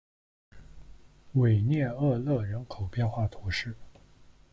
维涅厄勒人口变化图示